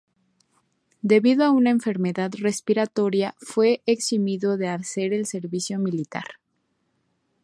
Debido a una enfermedad respiratoria fue eximido de hacer el servicio militar.